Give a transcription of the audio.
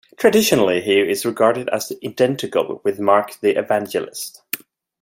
Traditionally he is regarded as identical with Mark the Evangelist.